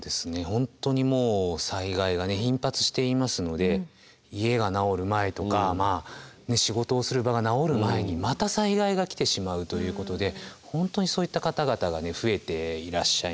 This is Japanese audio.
本当にもう災害が頻発していますので家が直る前とか仕事をする場が直る前にまた災害が来てしまうということで本当にそういった方々がね増えていらっしゃいます。